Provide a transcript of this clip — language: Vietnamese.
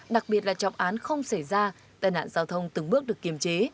đặc biệt là trọng án không xảy ra tai nạn giao thông từng bước được kiềm chế